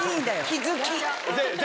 気付き。